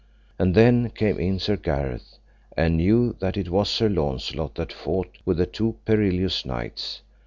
And then came in Sir Gareth, and knew that it was Sir Launcelot that fought with the two perilous knights.